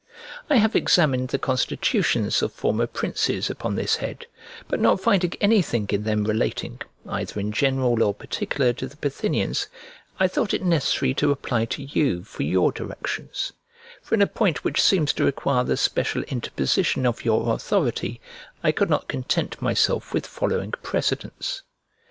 I have examined the constitutions of former princes upon this head, but not finding anything in them relating, either in general or particular, to the Bithynians, I thought it necessary to apply to you for your directions: for in a point which seems to require the special interposition of your authority, I could not content myself with following precedents.